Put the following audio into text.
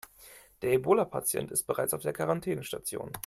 Der Ebola-Patient ist bereits auf der Quarantänestation.